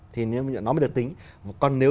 thì nó mới được tính còn nếu